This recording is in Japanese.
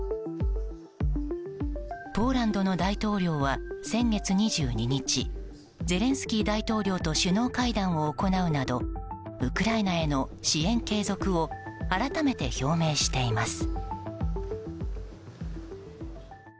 ポーランドの大統領は先月２２日ゼレンスキー大統領と首脳会談を行うなどウクライナへの支援継続を改めて表明しています。